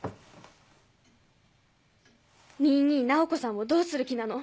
ニイ兄菜穂子さんをどうする気なの？